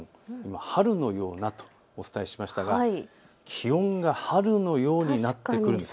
春のようなとお伝えしましたが気温が春のようになってくるんです。